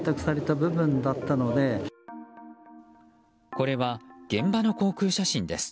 これは現場の航空写真です。